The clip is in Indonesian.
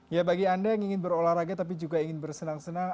ya bagi anda yang ingin berolahraga tapi juga ingin bersenang senang